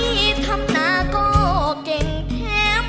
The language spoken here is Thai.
พี่ทำหนาก็เก่งเท็ม